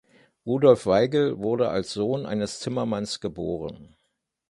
Rudolf Weigel wurde als Sohn eines Zimmermanns geboren.